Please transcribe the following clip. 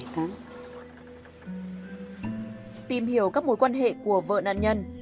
tìm hiểu các mối quan hệ của vợ nạn nhân